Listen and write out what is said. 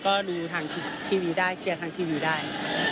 ก็ดูทางทีวีได้เชียร์ทางทีวีได้